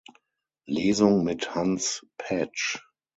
Lesung mit Hans Paetsch.